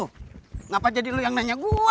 kenapa jadi lo yang nanya gue